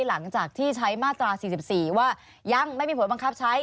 หลังจากที่ใช้มาตรา๔๔ว่ายังไม่มีผลบังคับใช้